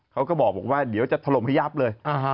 เขาก็บอกว่าเดี๋ยวจะถล่มให้ยับเลย